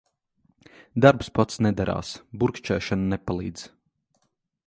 Darbs pats nedarās. Burkšķēšana nepalīdz.